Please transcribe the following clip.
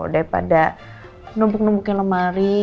daripada numpuk numpukin lemari